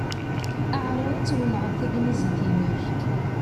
Ɛṛeḍ ad twennɛeḍ tagnizit-inek.